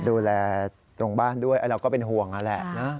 ดูแลตรงบ้านด้วยเราก็เป็นห่วงนั่นแหละนะ